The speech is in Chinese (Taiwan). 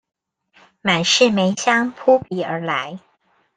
滿室梅香撲鼻而來